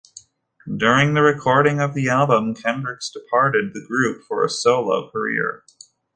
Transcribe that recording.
During the recording of the album, Kendricks departed the group for a solo career.